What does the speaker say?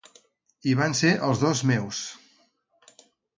I van ser els dos meus!